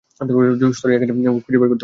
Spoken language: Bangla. সরি, এখনো খুঁজে বের করতে পারিনি।